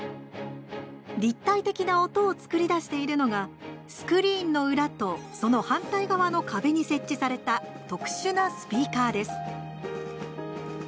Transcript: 立体的な音を作り出しているのがスクリーンの裏とその反対側の壁に設置された特殊なスピーカーです。